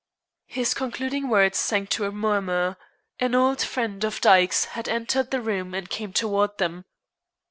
His concluding words sank to a murmur. An old friend of Dyke's had entered the room and came toward them.